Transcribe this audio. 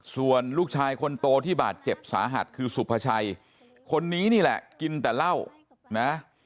ส่วนลูกชายคนโตที่บาดเจ็บสาหัสคือสุภาชัยคนนี้นี่แหละกินแต่เหล้านะ